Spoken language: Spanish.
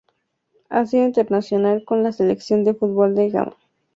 Ha sido internacional con la selección de fútbol de Ghana.